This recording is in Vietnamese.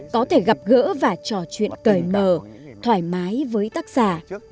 có thể gặp gỡ và trò chuyện cởi mở thoải mái với tác giả